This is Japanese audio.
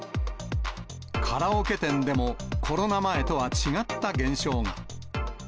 カラオケ店でも、コロナ前とは違った現象が。